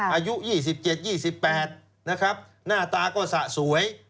อายุ๒๗๒๘นะครับหน้าตาก็สะสวย